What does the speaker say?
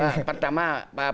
pertama para pendatang juga ya